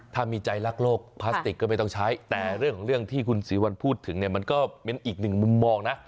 ถ้ามีใจรักโลกพลาสติกก็ไม่ต้องใช้แต่เรื่องของเรื่องที่คุณศรีวัลพูดถึงเนี่ยมันก็เป็นอีกหนึ่งมุมมองนะ